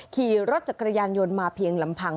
ขี่รถจักรยานยนต์มาเพียงลำพัง